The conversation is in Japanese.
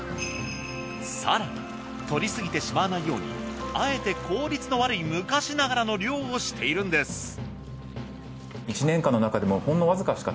更に獲りすぎてしまわないようにあえて効率の悪い昔ながらの漁をしているんです。